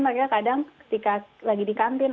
mereka kadang ketika lagi di kantin